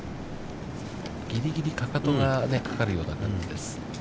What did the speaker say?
ぎりぎりかかとがかかるような感じです。